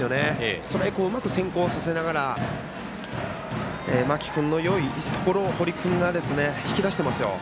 ストライクをうまく先行させながら間木君のよいところを堀君が引き出してますよ。